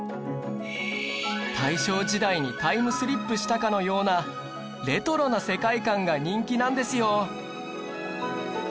大正時代にタイムスリップしたかのようなレトロな世界観が人気なんですよ